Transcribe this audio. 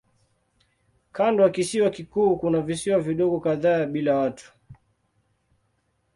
Kando ya kisiwa kikuu kuna visiwa vidogo kadhaa bila watu.